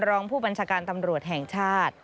ของกรมอุทยาศร์แห่งชาติสัตว์ปริมชัย